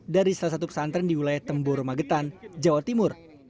dari salah satu pesantren di wilayah temboro magetan jawa timur